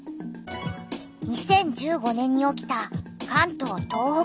２０１５年に起きた関東・東北豪雨。